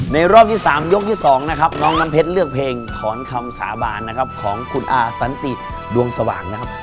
รอบที่๓ยกที่๒นะครับน้องน้ำเพชรเลือกเพลงถอนคำสาบานนะครับของคุณอาสันติดวงสว่างนะครับ